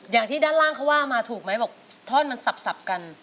อย่างที่ด้านล่างเขาว่ามาถูกไหมบอกท่อนมันสับกัน